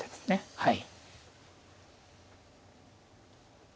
はい。